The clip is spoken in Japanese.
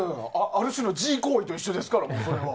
ある種の自慰行為と一緒ですからね、それは。